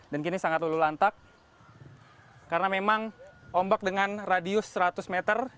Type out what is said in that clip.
dan kini sangat lulu lantak karena memang ombak dengan radius seratus meter